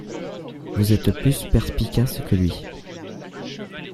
Vous êtes plus perspicace que lui.